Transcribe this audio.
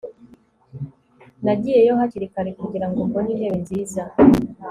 nagiyeyo hakiri kare kugirango mbone intebe nziza